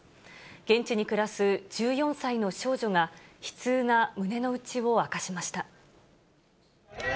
現地に暮らす１４歳の少女が、悲痛な胸の内を明かしました。